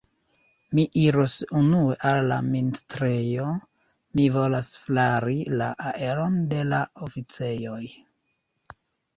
Mi iros unue al la ministrejo; mi volas flari la aeron de la oficejoj.